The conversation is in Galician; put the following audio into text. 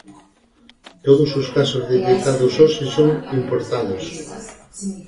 Todos os casos detectados hoxe son importados.